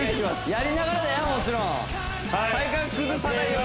やりながらだよ